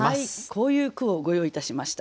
こういう句をご用意いたしました。